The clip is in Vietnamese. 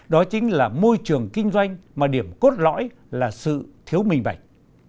đó chính là môi trường kinh doanh mà điểm cốt lõi là sự thiếu minh bạch